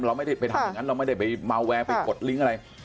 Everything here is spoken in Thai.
เราไม่ได้ไปทำอย่างนั้นเราไม่ได้ไปเมาแวร์ไปกดลิงก์อะไร